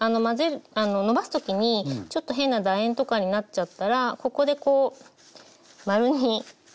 のばす時にちょっと変なだ円とかになっちゃったらここでこう丸にちょっとこう整えてあげる。